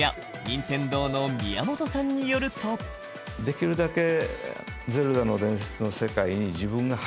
任天堂の宮本さんによるとできるだけ。